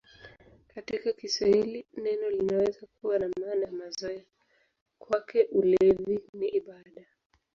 Katika Kiswahili neno linaweza kuwa na maana ya mazoea: "Kwake ulevi ni ibada".